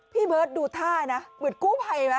พี่เบิร์ตดูท่านะเหมือนกู้ภัยไหม